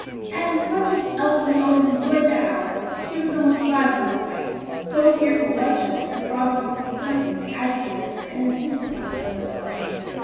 And much as Elsie had always enjoyed that hour, she was almost glad of the respite, so fearful was she that her papa would see that something had agitated her, and insist upon knowing what it was.